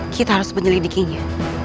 kita harus menyelidikinya